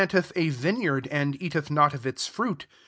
S»l eth a vineyard, and cateth not of its fruit